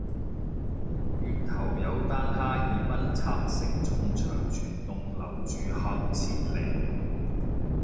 月頭有單哈爾濱拆承重牆全棟樓住客撤離